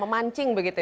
memancing begitu ya